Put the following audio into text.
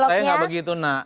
saya enggak begitu nak